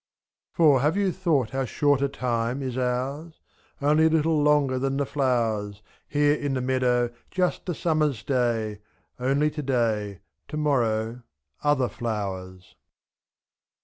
For, have you thought how short a time is ours ? Only a little longer than the flowers, SJ. Here in the meadow just a summer's day. Only to day; to morrow — other flowers.